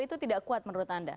itu tidak kuat menurut anda